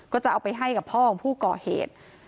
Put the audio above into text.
ก็จะเอาไปให้กับพ่อของผู้ก่อเหตุ